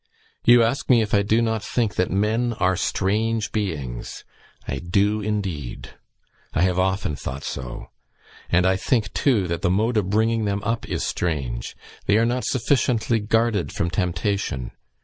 You ask me if I do not think that men are strange beings? I do, indeed. I have often thought so; and I think, too, that the mode of bringing them up is strange: they are not sufficiently guarded from temptation.